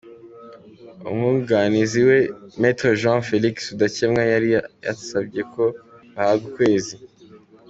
Umwunganizi we, Me Jean Félix Rudakemwa yari yasabye ko bahabwa ukwezi.